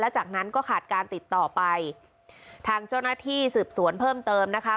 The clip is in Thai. จากนั้นก็ขาดการติดต่อไปทางเจ้าหน้าที่สืบสวนเพิ่มเติมนะคะ